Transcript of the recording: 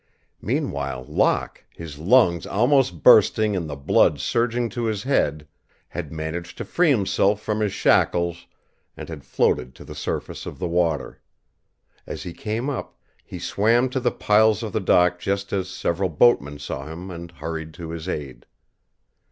Meanwhile Locke, his lungs almost bursting and the blood surging to his head, had managed to free himself from his shackles and had floated to the surface of the water. As he came up he swam to the piles of the dock just as several boatmen saw him and hurried to his aid.